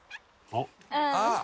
「あっ」